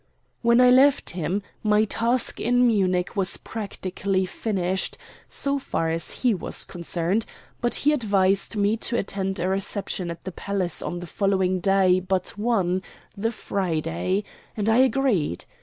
When I left him my task in Munich was practically finished, so far as he was concerned; but he advised me to attend a reception at the palace on the following day but one, the Friday, and I agreed.